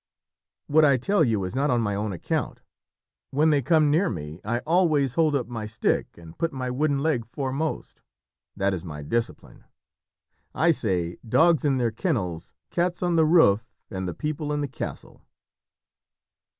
"What I tell you is not on my own account. When they come near me I always hold up my stick and put my wooden leg foremost that is my discipline. I say, dogs in their kennels, cats on the roof, and the people in the castle."